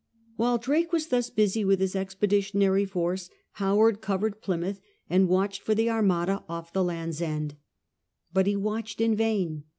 While Drake was thus busy with his expeditionary force Howard covered Plymouth, and watched for the Armada off the Land's End. But he watched in vain.